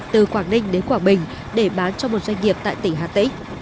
từ quảng ninh đến quảng bình để bán cho một doanh nghiệp tại tỉnh hà tĩnh